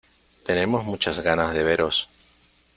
Tenemos muchas ganas de veros.